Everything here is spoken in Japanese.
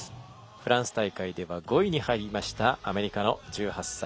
フランス大会では５位に入りましたアメリカの１８歳。